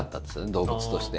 動物として。